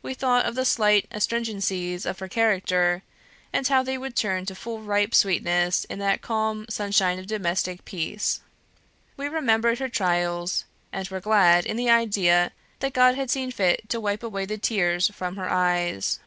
We thought of the slight astringencies of her character, and how they would turn to full ripe sweetness in that calm sunshine of domestic peace. We remembered her trials, and were glad in the idea that God had seen fit to wipe away the tears from her eyes.